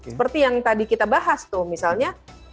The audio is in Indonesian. seperti yang tadi kita bahas tuh misalnya